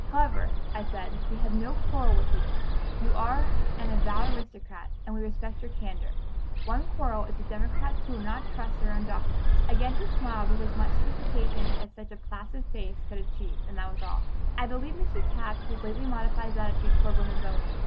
"However," I said, "we have no quarrel with you. You are an avowed aristocrat, and we respect your candor. Our quarrel is with democrats who will not trust their own doctrines." Again he smiled with as much sophistication as such a placid face could achieve, and that was all. I believe Mr. Taft has lately modified his attitude toward women voting.